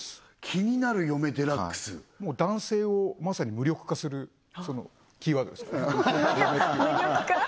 きになる嫁デラックス男性をまさに無力化するキーワードですからね無力化？